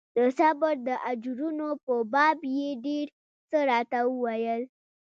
د صبر د اجرونو په باب يې ډېر څه راته وويل.